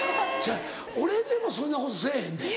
俺でもそんなことせぇへんで。